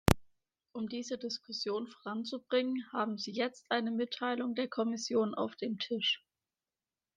Um diese Diskussion voranzubringen, haben Sie jetzt eine Mitteilung der Kommission auf dem Tisch.